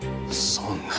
そんな。